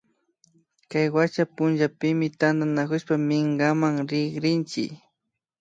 Kay wacha punchapimi tantanakushpa minkaman rikrinchi